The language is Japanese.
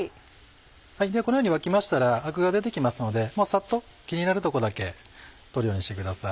このように沸きましたらアクが出てきますのでさっと気になるとこだけ取るようにしてください。